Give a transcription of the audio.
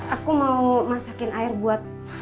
aku mau masakin air buat